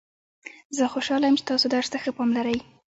زه خوشحاله یم چې تاسو درس ته ښه پام لرئ